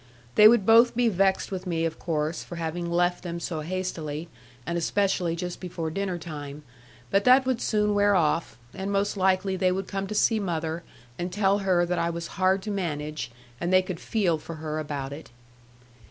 They would both be vexed with me, of course, for having left them so hastily, and especially just before dinner time; but that would soon wear off; and most likely they would come to see mother, and tell her that I was hard to manage, and they could feel for her about it.